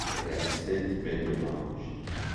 It has since been demolished.